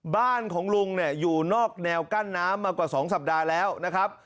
บ้านของลุงเนี่ยอยู่นอกแนวกั้นน้ำมากว่า๒สัปดาห์แล้วนะครับ